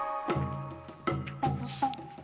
よし。